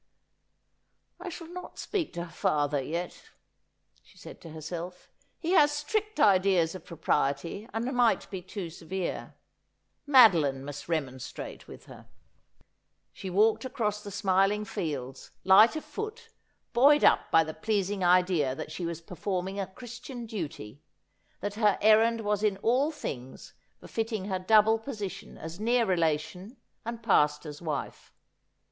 ' I shall not speak to her father, yet,' she said to herself. ' He has strict ideas of propriety, and might be too severe. Madoline must remonstrate with her.' She walked across the smiling fields, light of foot, buoyed up by the pleasing idea that she was performing a Christian duty, that her errand was in all things befitting her double position as near relation and pastor's vnfe.